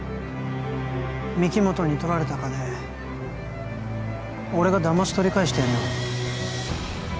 御木本に取られた金俺がだまし取り返してやるよ